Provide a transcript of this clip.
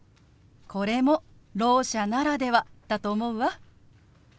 これもろう者ならではだと思うわ。